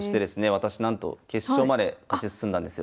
私なんと決勝まで勝ち進んだんですよ。